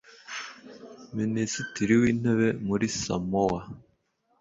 Minisitiri w’Intebe muri Samoa